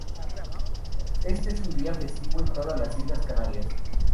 Este es un día festivo en todas las islas de Canarias.